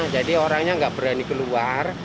jadi orangnya nggak berani keluar